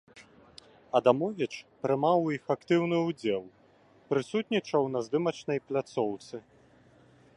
Адамовіч прымаў у іх актыўны ўдзел, прысутнічаў на здымачнай пляцоўцы.